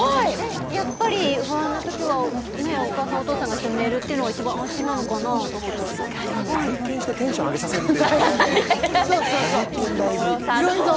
やっぱり不安な時はお母さんお父さんが一緒に寝るっていうのが一番安心なのかなとか内見してテンション上げさせるってそうそうそう内見大事広いぞ！